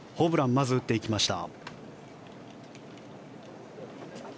まず打っていきました。